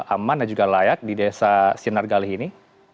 aman dan juga layak di desa sinargali ini